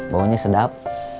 bau nya sedap